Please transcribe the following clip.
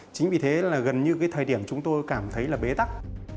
chính vì thế là gần như cái thời điểm chúng tôi cảm thấy là bế tắc